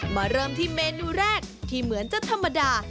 มาเริ่มที่เมนูแรกที่เหมือนจะธรรมดา